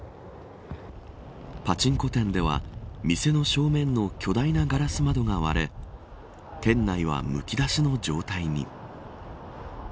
パチンコ店では店の正面の巨大なガラス窓が割れ店内はむき出しの状態に。